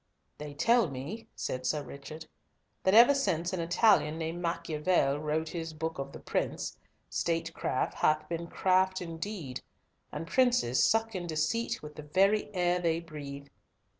"They tell me," said Sir Richard, "that ever since an Italian named Machiavel wrote his Book of the Prince, statecraft hath been craft indeed, and princes suck in deceit with the very air they breathe.